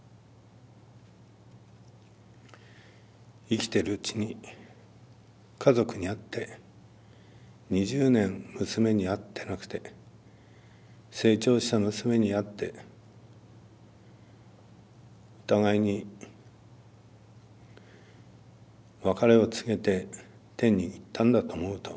生きてるうちに家族に会って２０年娘に会ってなくて成長した娘に会ってお互いに別れを告げて天に行ったんだと思うと。